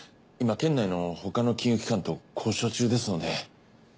今県内の他の金融機関と交渉中ですので。